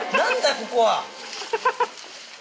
ここは！